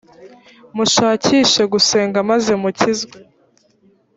mushakishe gusenga maze mukizwe.